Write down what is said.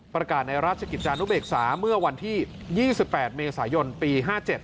ในราชกิจจานุเบกษาเมื่อวันที่๒๘เมษายนปี๕๗